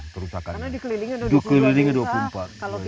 karena dikelilingi dua puluh empat desa